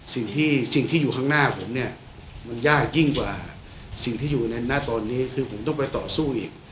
สิ่งที่สิ่งที่อยู่ข้างหน้าผมเนี่ยมันยากยิ่งกว่าสิ่งที่อยู่ในหน้าตอนนี้คือผมต้องไปต่อสู้อีก